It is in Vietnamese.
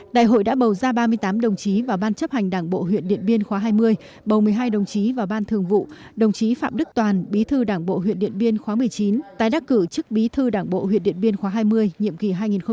đại hội đã bầu ra ba mươi tám đồng chí vào ban chấp hành đảng bộ huyện điện biên khóa hai mươi bầu một mươi hai đồng chí vào ban thường vụ đồng chí phạm đức toàn bí thư đảng bộ huyện điện biên khóa một mươi chín tái đắc cử chức bí thư đảng bộ huyện điện biên khóa hai mươi nhiệm kỳ hai nghìn hai mươi hai nghìn hai mươi năm